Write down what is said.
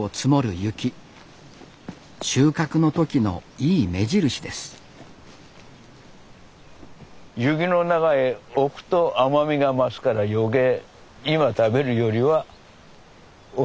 雪の中へおくと甘みが増すから余計今食べるよりはおいしくなる。